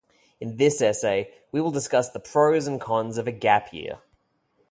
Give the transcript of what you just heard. In this essay, we will discuss the pros and cons of a gap year.